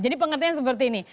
jadi pengertian seperti ini